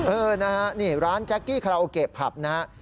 เออนะฮะนี่ร้านแจ๊กกี้คาราโอเกะผับนะฮะ